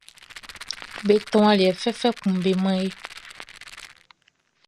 Be tɔn aliɛ fɛfɛ kun be man e.